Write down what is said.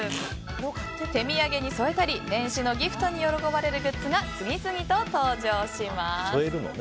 手土産に添えたり年始のギフトに喜ばれるグッズが次々と登場します。